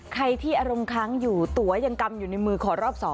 ใครที่อารมณ์ค้างอยู่ตัวยังกำอยู่ในมือขอรอบ๒